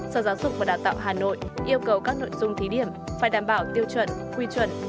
sở giáo dục và đào tạo hà nội yêu cầu các nội dung thí điểm phải đảm bảo tiêu chuẩn quy chuẩn